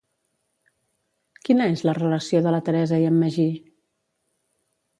Quina és la relació de la Teresa i en Magí?